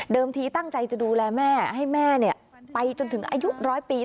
ทีตั้งใจจะดูแลแม่ให้แม่ไปจนถึงอายุร้อยปี